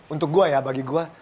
untuk gue ya bagi gue